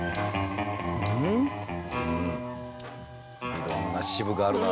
いろんな支部があるな。